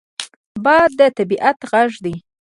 باد د طبعیت غږ دی